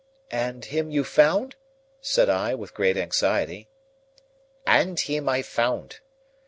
"And him you found?" said I, with great anxiety. "And him I found.